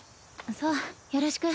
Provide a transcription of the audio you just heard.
そうよろしく。